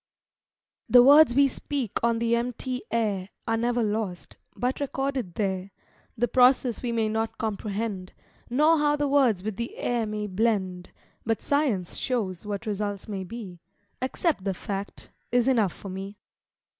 The words we speak on the empty air, Are never lost, but recorded there; The process we may not comprehend, Nor how the words with the air may blend, But science shows what results may be; Accept the fact, is enough for me.